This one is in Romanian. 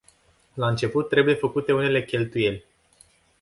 La început, trebuie făcute unele cheltuieli.